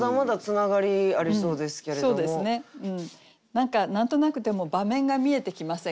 何か何となくでも場面が見えてきませんか？